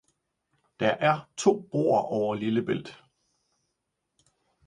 Der er to broer over Lillebælt